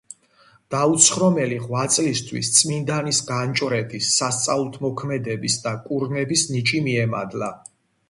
დაუცხრომელი ღვაწლისთვის წმიდანის განჭვრეტის, სასწაულთქმედების და კურნების ნიჭი მიემადლა.